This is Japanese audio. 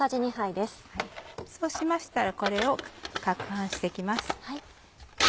そうしましたらこれを撹拌して行きます。